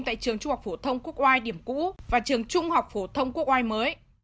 tại trường trung học phổ thông quốc oai điểm cũ và trường trung học phổ thông quốc oai mới